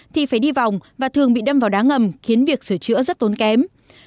thì phải đi vòng và thường bị đâm vào đá ngầm khiến việc sửa chữa rất tốn kém